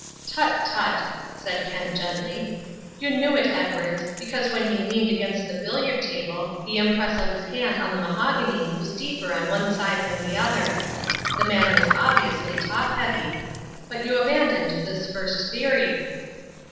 "Tut, tut," said Kent gently, "you knew it, Edwards, because when he leaned against the billiard table the impress of his hand on the mahogany was deeper on one side than the other. The man was obviously top heavy. But you abandoned this first theory."